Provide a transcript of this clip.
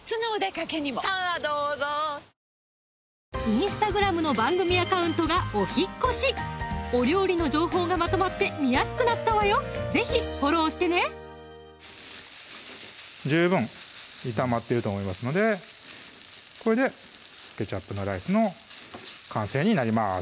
インスタグラムの番組アカウントがお引っ越しお料理の情報がまとまって見やすくなったわよ是非フォローしてね十分炒まってると思いますのでこれでケチャップのライスの完成になります